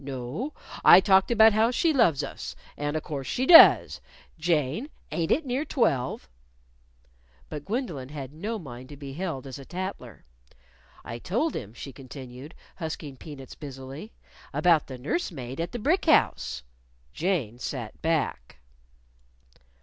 "No; I talked about how she loves us. And a course, she does.... Jane, ain't it near twelve?" But Gwendolyn had no mind to be held as a tattler. "I told him," she continued, husking peanuts busily, "about the nurse maid at the brick house." Jane sat back.